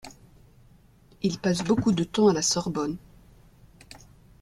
Il passe beaucoup de temps à la Sorbonne.